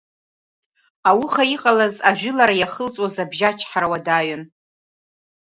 Ауха иҟалаз ажәылара иахылҵуаз абжьы ачҳара уадаҩын.